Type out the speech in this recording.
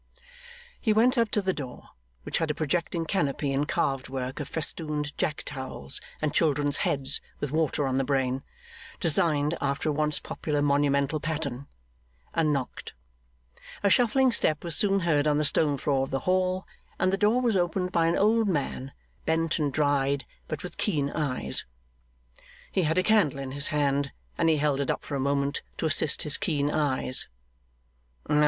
He went up to the door, which had a projecting canopy in carved work of festooned jack towels and children's heads with water on the brain, designed after a once popular monumental pattern, and knocked. A shuffling step was soon heard on the stone floor of the hall, and the door was opened by an old man, bent and dried, but with keen eyes. He had a candle in his hand, and he held it up for a moment to assist his keen eyes.